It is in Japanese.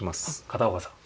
片岡さん。